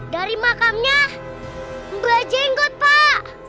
dari makamnya mbah jenggot pak